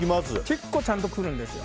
結構ちゃんと来るんですよ。